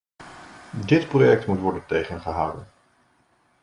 Dit project moet worden tegengehouden.